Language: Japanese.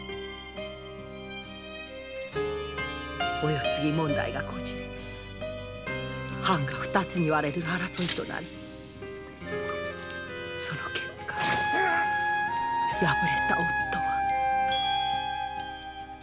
お世継ぎ問題がこじれ藩が二つに割れる争いとなりその結果敗れた夫は。